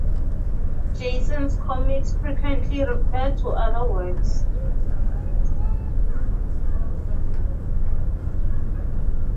Jason's comics frequently refer to other works.